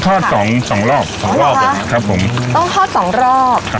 ทอดสองสองรอบสองรอบแบบเนี้ยครับผมต้องทอดสองรอบครับ